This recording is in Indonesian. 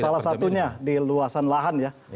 salah satunya di luasan lahan ya